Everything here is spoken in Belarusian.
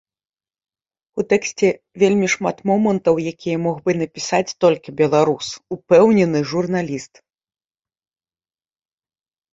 У тэксце вельмі шмат момантаў, якія мог бы напісаць толькі беларус, упэўнены журналіст.